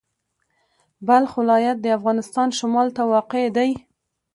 بلخ ولایت د افغانستان شمال ته واقع دی.